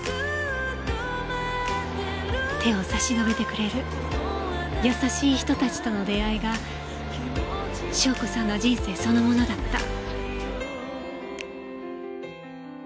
手を差し伸べてくれる優しい人たちとの出会いが笙子さんの人生そのものだった。